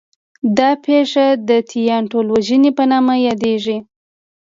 دا پېښه د 'تیان ټولوژنې' په نامه یادوي.